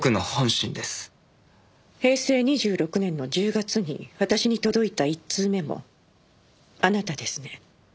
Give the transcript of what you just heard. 平成２６年の１０月に私に届いた１通目もあなたですね？